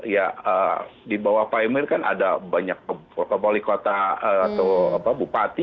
ya di bawah pmr kan ada banyak kebolicota atau bupati